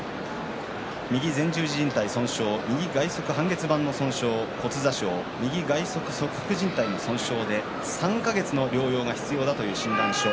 右前十字じん帯損傷右外側半月板損傷骨挫傷、右外側側副じん帯損傷３か月の療養が必要だという診断書。